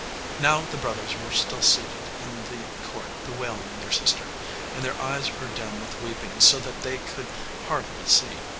Now the brothers were still seated in the court bewailing their sister, and their eyes were dim with weeping so that they could hardly see.